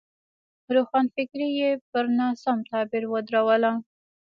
روښانفکري یې پر ناسم تعبیر ودروله.